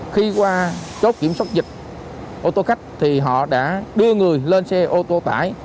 khi qua chốt kiểm soát dịch ô tô khách thì họ đã đưa người lên xe ô tô tải